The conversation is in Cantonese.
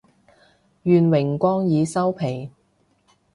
願榮光已收皮